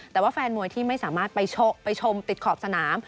แต่ว่าแฟนมวยที่ไม่สามารถไปชมติดขอบสนาม